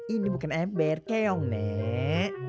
ini bukan ember keong nek